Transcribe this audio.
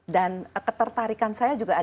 dan ketertarikan saya juga ada